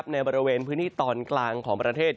ในบริเวณพื้นที่ตอนกลางของประเทศ